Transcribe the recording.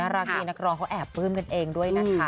รักดีนักร้องเขาแอบปลื้มกันเองด้วยนะคะ